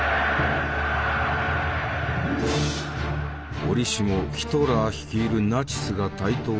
折しもヒトラー率いるナチスが台頭した時代。